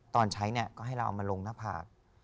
ตอนใช้ก็ให้เราเอามาลงหน้าผาก